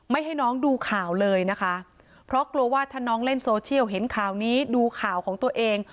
ให้น้องดูข่าวเลยนะคะเพราะกลัวว่าถ้าน้องเล่นโซเชียลเห็นข่าวนี้ดูข่าวของตัวเอง